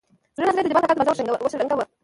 زړه نازړه يې د جبار کاکا دروازه وشرنګه وه.